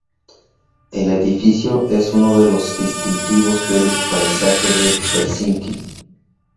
El edificio es uno de los distintivos del paisaje de Helsinki.